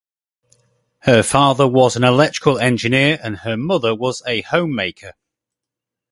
Her father was an electrical engineer and her mother was a homemaker.